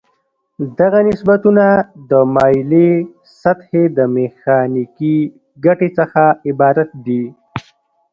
دغه نسبتونه د مایلې سطحې د میخانیکي ګټې څخه عبارت دي.